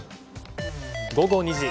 午後２時。